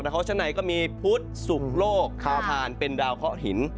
ดาวเคราะห์ชั้นในก็มีพุธสุกโลกคาวทานเป็นดาวเคราะห์หิน